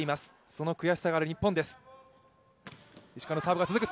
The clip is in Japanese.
その悔しさがある日本です。